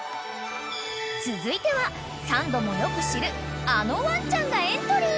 ［続いてはサンドもよく知るあのワンちゃんがエントリー］